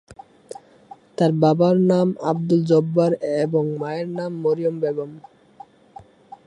তার বাবার নাম আবদুল জব্বার এবং মায়ের নাম মরিয়ম বেগম।